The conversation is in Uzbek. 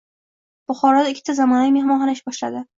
Buxoroda ikkita zamonaviy mehmonxona ish boshlading